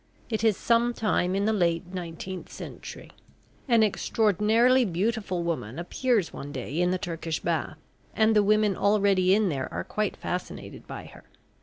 It is some time in the late nineteenth century. An extraordinarily beautiful woman appears one day in the turkish bath, and the women already in there are quite fascinated by her.